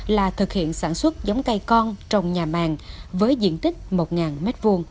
là thực hiện sản xuất giống cây con trong nhà màng với diện tích một m hai